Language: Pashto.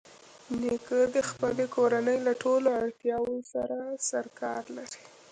نیکه د خپلې کورنۍ له ټولو اړتیاوو سره سرکار لري.